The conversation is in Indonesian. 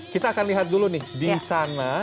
kita akan lihat dulu nih disana